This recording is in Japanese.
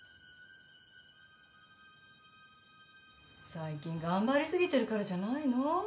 最近頑張り過ぎてるからじゃないの？